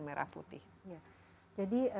merah putih jadi